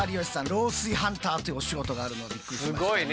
漏水ハンターっていうお仕事があるのはびっくりしましたね。